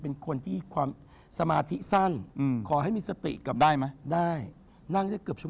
โหไม่ว่าจะไปที่ไหนนะครับขุมพิธามจัดหนักเต็มที่จริง